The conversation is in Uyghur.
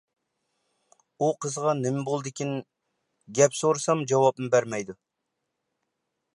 ئۇ قىزغا نېمە بولدىكىن گەپ سورىسام جاۋابمۇ بەرمەيدۇ.